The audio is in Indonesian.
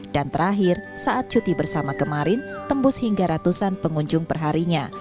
dan terakhir saat cuti bersama kemarin tembus hingga ratusan pengunjung perharinya